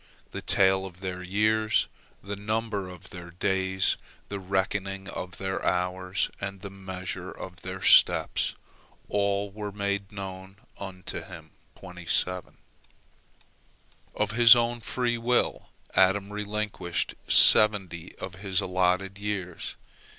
The tale of their years, the number of their days, the reckoning of their hours, and the measure of their steps, all were made known unto him. Of his own free will Adam relinquished seventy of his allotted years.